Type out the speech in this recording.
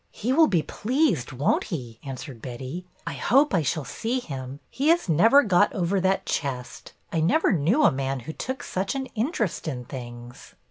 ''He will be pleased, won't he?" answered Betty. " I hope I shall see him. He has never got over that chest. I never knew a man who took such an interest in things."